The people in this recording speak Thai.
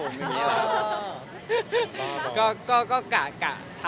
บ้านน้องแมวสรุปแพงกว่าบ้านผม